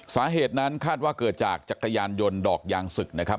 สาเหตุนั้นคาดว่าเกิดจากจักรยานยนต์ดอกยางศึกนะครับ